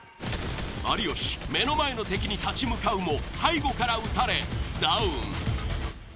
有吉目の前の敵に立ち向かうも背後から撃たれダウン。